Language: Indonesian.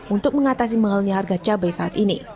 untuk mengatasi mahalnya harga cabai saat ini